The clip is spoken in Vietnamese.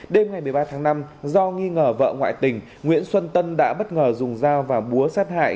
đêm ngày một mươi ba tháng năm do nghi ngờ vợ ngoại tình nguyễn xuân tân đã bất ngờ dùng dao và búa sát hại